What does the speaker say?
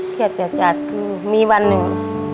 เกลียดเจ็ดมีวันหนึ่ง